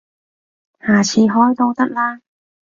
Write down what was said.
下次開都得啦